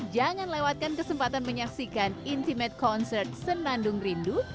jangan lewatkan kesempatan menyaksikan intimate concert senandung rindu